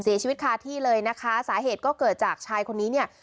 เสียชีวิตคาที่เลยนะคะสาเหตุก็เกิดจากชายคนนี้เนี่ย